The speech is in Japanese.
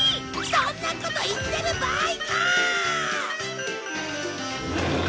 そんなこと言ってる場合か！